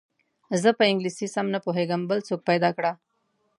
زه په انګلیسي سم نه پوهېږم بل څوک پیدا کړه.